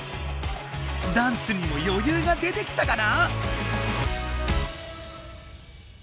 ダンスにもよゆうが出てきたかな？